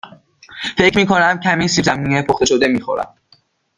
فکر می کنم کمی سیب زمینی پخته شده می خورم.